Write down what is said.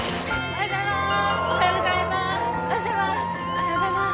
おはようございます。